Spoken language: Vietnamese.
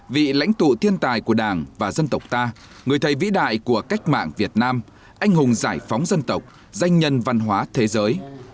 vị lãnh tụ thiên tài của đảng và dân tộc ta người thầy vĩ đại của cách mạng việt nam anh hùng giải phóng dân tộc danh nhân văn hóa thế giới